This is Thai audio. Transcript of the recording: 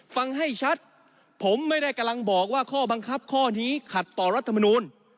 ฟังให้ชัดผมไม่ได้กำลังบอกว่าข้อบังคับข้อนี้ขัดต่อรัฐมนูล